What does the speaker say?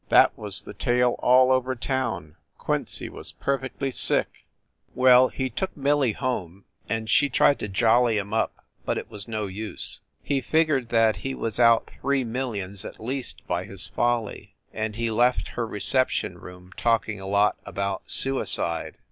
That was the tale all over town. Quincy was per fectly sick. WYCHERLEY COURT 257 Well, he took Millie home and she tried to jolly him up but it was no use. He figured that he was out three millions at least by his folly, and he left her reception room talking a lot about suicide.